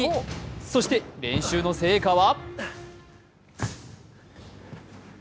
そして、練習の成果は？